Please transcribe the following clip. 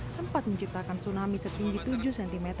sempat menciptakan tsunami setinggi tujuh cm